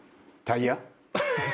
タイヤ？